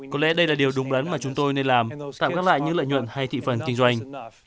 có lẽ đây là điều đúng đắn mà chúng tôi nên làm tạm lại như lợi nhuận hay thị phần kinh doanh